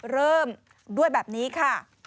เริ่มด้วยแบบนี้ค่ะ